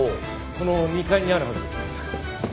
この２階にあるはずです。